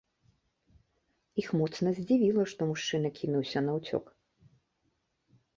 Іх моцна здзівіла, што мужчына кінуўся наўцёк.